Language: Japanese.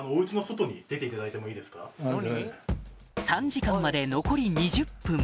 ３時間まで残り２０分